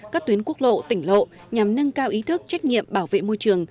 các tuyến quốc lộ tỉnh lộ nhằm nâng cao ý thức trách nhiệm bảo vệ môi trường